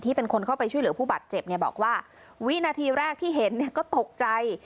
ที่เป็นคนเข้าไปช่วยเหลือผู้บัตรเจ็บบอกว่าวินาทีแรกที่เห็นก็ตกใจ